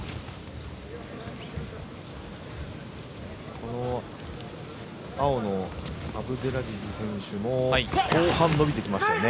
この青のアブデラジズ選手も後半伸びてきましたよね。